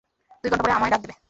দুই ঘণ্টা পরে আমায় ডাক দেবে।